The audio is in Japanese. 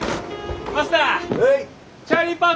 マスター！